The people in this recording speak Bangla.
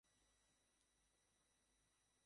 আচ্ছা, আমি বলছি ভুলটা আমার।